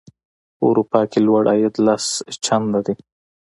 په اروپا کې لوړ عاید لس چنده دی.